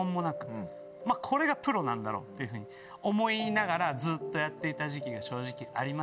これがプロなんだろっていうふうに思いながらずっとやっていた時期が正直ありまして。